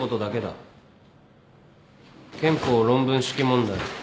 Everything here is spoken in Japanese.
憲法論文式問題。